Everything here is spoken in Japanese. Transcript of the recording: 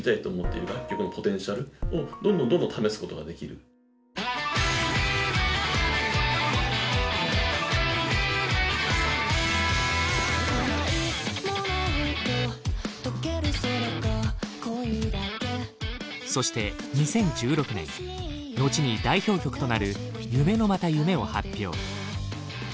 彼はそのそれによってそして２０１６年後に代表曲となる「夢のまた夢」を発表。